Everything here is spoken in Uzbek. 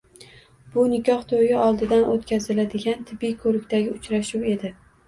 Bu nikoh to`yi oldidan o`tkaziladigan tibbiy ko`rikdagi uchrashuv edi